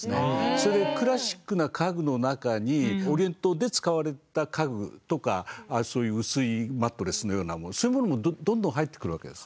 それでクラシックな家具の中にオリエントで使われた家具とかそういう薄いマットレスのようなそういうものもどんどん入ってくるわけです。